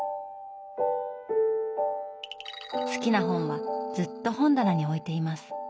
好きな本はずっと本棚に置いています。